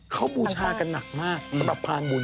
เขาบูชากันหนักมากสำหรับพานบุญ